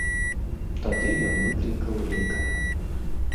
Тады ён выклікаў лекара.